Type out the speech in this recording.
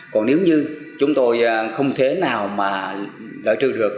còn nếu như chúng tôi không thế nào mà lợi trừ được